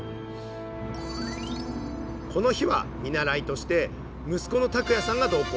この日は見習いとして息子の拓也さんが同行。